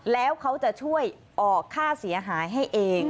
แล้วเขาจะช่วยออกค่าเสียหายให้เอง